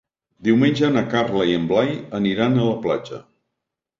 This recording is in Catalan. Diumenge na Carla i en Blai aniran a la platja.